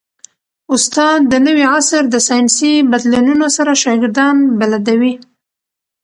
استاد د نوي عصر د ساینسي بدلونونو سره شاګردان بلدوي.